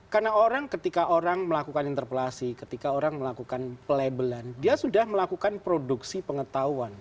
karena orang ketika orang melakukan interpelasi ketika orang melakukan pelabelan dia sudah melakukan produksi pengetahuan